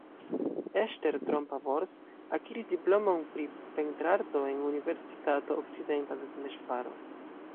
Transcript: Eszter Tompa-Bors akiris diplomon pri pentrarto en Universitato Okcidenta de Temeŝvaro.